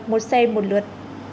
một xe một lượt